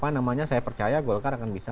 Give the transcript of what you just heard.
namanya saya percaya golkar akan bisa